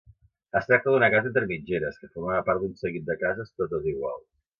Es tracta d'una casa entre mitgeres que formava part d'un seguit de cases totes iguals.